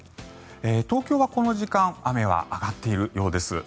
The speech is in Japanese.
東京は、この時間雨は上がっているようです。